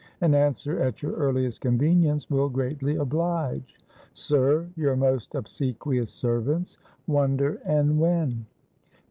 An answer at your earliest convenience will greatly oblige, "Sir, your most obsequious servants, "WONDER & WEN."